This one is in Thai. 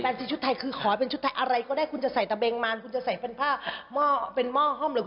แฟนซีชุดไทยคือด้วยแบงมานหรือเป็นคอนน้อย